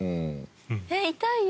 えっ痛いよ。